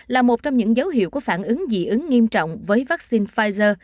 là một trong những dấu hiệu của phản ứng dị ứng nghiêm trọng với vaccine pfizer